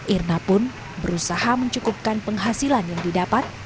irna pun berusaha mencukupkan penghasilan yang didapat